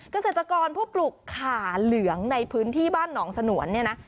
เกษตรกรผู้ปลูกขาเหลืองในพื้นที่บ้านหนองสนวนเนี่ยนะ